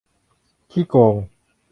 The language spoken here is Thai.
ขี้โกง